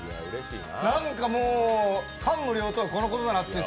なんかもう感無量って、このことだなと。